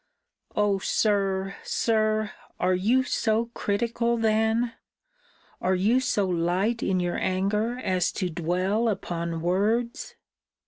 O Sir! Sir! are you so critical then? Are you so light in your anger as to dwell upon words?